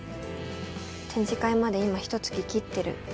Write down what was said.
展示会まで今ひと月切ってる。